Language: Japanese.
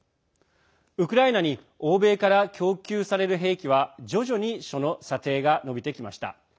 ウクライナに欧米から供給される兵器は徐々にその射程が伸びてきました。